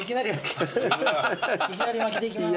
いきなり巻きでいきます。